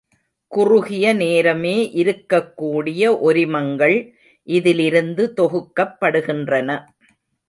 குறுகிய நேரமே இருக்கக் கூடிய ஒரிமங்கள் இதிலிருந்து தொகுக்கப்படுகின்றன.